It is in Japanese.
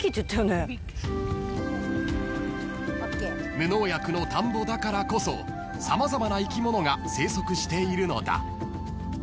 ［無農薬の田んぼだからこそ様々な生き物が生息しているのだ］